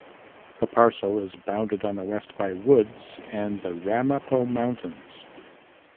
The parcel is bounded on the west by woods and the Ramapo Mountains.